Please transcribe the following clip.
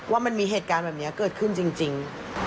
ว่ามันมีเหตุการณ์แบบนี้เกิดขึ้นจริง